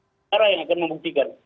para yang akan membuktikan